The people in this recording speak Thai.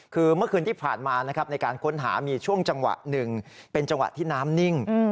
คือเมื่อคืนที่ผ่านมานะครับในการค้นหามีช่วงจังหวะหนึ่งเป็นจังหวะที่น้ำนิ่ง